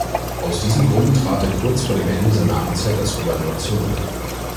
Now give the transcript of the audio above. Aus diesem Grund trat er kurz vor dem Ende seiner Amtszeit als Gouverneur zurück.